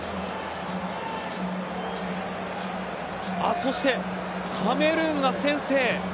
そしてカメルーンが先制。